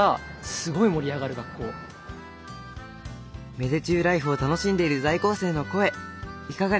芽出中ライフを楽しんでいる在校生の声いかがですか？